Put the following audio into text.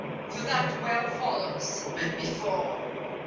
For that well follows. But before.